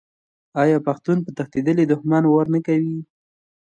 آیا پښتون په تښتیدلي دښمن وار نه کوي؟